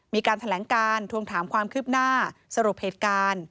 มีการแถลงการทวงถามความคืบหน้าสรุปเหตุการณ์